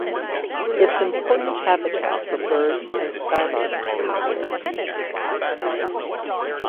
It is an important habitat for birds and skylarks breed here.